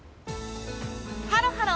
ハロハロ！